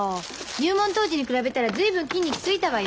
入門当時に比べたら随分筋肉ついたわよ。